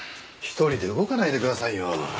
１人で動かないでくださいよ。